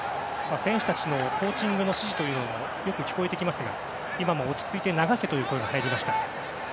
選手たちのコーチングの指示というのもよく聞こえてきますが今も、落ち着いて流せという声が入りました。